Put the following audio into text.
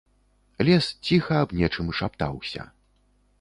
Лес ціха аб нечым шаптаўся.